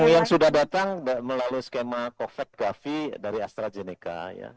yang sudah datang melalui skema covid sembilan belas dari astrazeneca